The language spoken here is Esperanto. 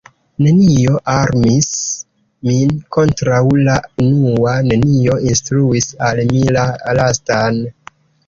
Nenio armis min kontraŭ la unua, nenio instruis al mi la lastan.